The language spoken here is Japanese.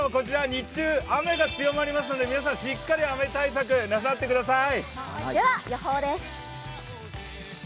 日中、雨が強まりますので、皆さん、しっかり雨対策してください。